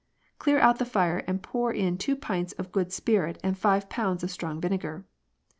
Clear out the fire and pour in two pints of good spirit and five pounds of strong vinegar.